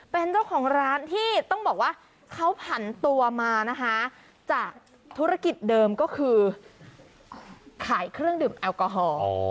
เป็นเจ้าของร้านที่ต้องบอกว่าเขาผันตัวมานะคะจากธุรกิจเดิมก็คือขายเครื่องดื่มแอลกอฮอล์